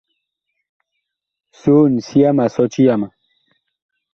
Soon, sia ma sɔti yama.